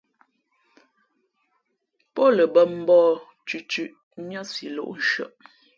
Pάʼ ǒ lα mbᾱ mbǒh cʉ̄cʉ̄ niά siʼ lōʼ nshʉαʼ.